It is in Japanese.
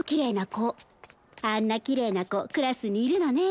あんなきれいな子クラスにいるのね。